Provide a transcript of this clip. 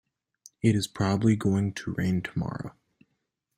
It is probably going to rain tomorrow.